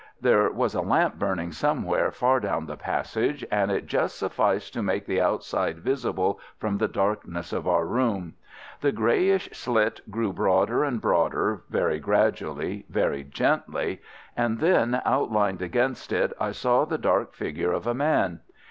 There was a lamp burning somewhere far down the passage, and it just sufficed to make the outside visible from the darkness of our room. The greyish slit grew broader and broader, very gradually, very gently, and then outlined against it I saw the dark figure of a man.